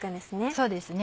そうですね。